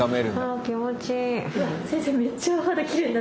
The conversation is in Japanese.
あ気持ちいい。